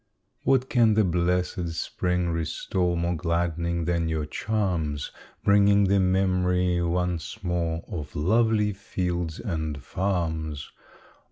What can the blessed spring restore More gladdening than your charms? Bringing the memory once more Of lovely fields and farms!